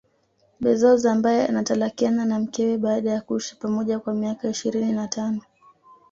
Bezoz ambaye anatalakiana na mkewe baada ya kuishi pamoja kwa miaka ishirini na tano